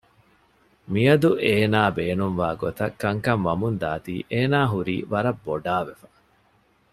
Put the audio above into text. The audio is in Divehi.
މިއަދު އޭނާ ބޭނުންވާ ގޮތަށް ކަންކަން ވަމުންދާތީ އޭނާ ހުރީ ވަރަށް ބޮޑާވެފަ